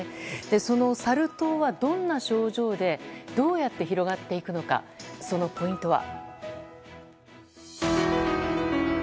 そのサル痘はどんな症状でどうやって広がっていくのかそのポイントは。